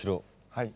はい。